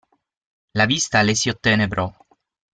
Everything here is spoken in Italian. La vista le si ottenebrò.